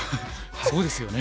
そうですよね。